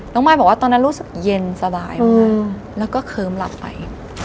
มายบอกว่าตอนนั้นรู้สึกเย็นสบายมากแล้วก็เคิ้มหลับไป